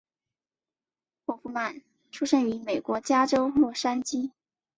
霍夫曼出生于美国加州洛杉矶。